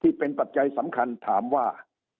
ที่เป็นปัจจัยสำคัญถามว่า